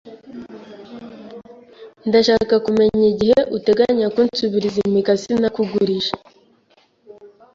Ndashaka kumenya igihe uteganya kunsubiza imikasi nakugurije.